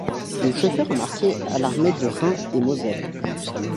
Il se fait remarquer à l’armée de Rhin-et-Moselle.